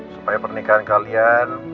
supaya pernikahan kalian